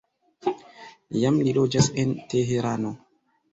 Jam li loĝas en Teherano.